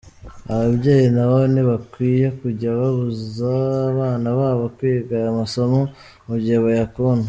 Ababyeyi na bo ntibakwiye kujya babuza abana babo kwiga aya masomo mu gihe bayakunda.